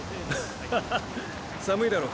寒いだろ。